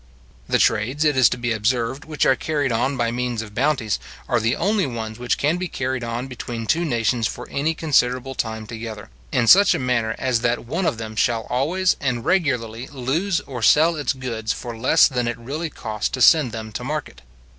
The trades, it is to be observed, which are carried on by means of bounties, are the only ones which can be carried on between two nations for any considerable time together, in such a manner as that one of them shall always and regularly lose, or sell its goods for less than it really cost to send them to market.